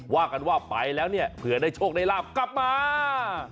ว่ากันว่าไปแล้วเนี่ยเผื่อได้โชคได้ลาบกลับมา